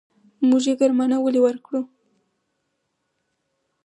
موږ يې ګرمانه ولې ورکړو.